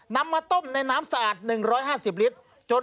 นำมาต้มในน้ำสะอาด๑๕๐ลิตร